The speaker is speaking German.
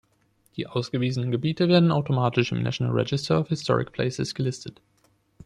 Die ausgewiesenen Gebiete werden automatisch im National Register of Historic Places gelistet.